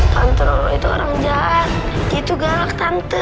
tante nurul itu orang jahat dia itu galak tante